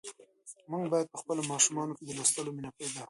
موږ باید په خپلو ماشومانو کې د لوستلو مینه پیدا کړو.